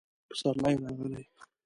پسرلی راغلی